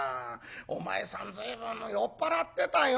お前さん随分酔っ払ってたよ。